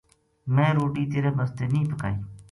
میں روٹی تیرے بسطے نیہہ پکائی ‘‘